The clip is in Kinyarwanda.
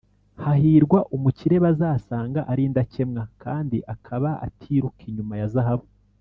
Hahirwa umukire bazasanga ari indakemwa, kandi akaba atiruka inyuma ya zahabu!